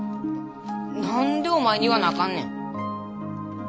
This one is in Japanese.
何でお前に言わなあかんねん。